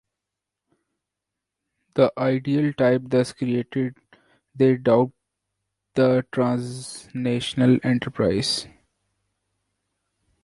The ideal-type thus created, they dubbed the "transnational enterprise".